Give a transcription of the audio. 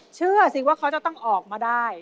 เชื่อสิว่าเขาจะต้องออกมาได้